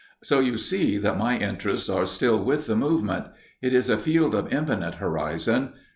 So you see that my interests are still with the movement. It is a field of infinite horizon.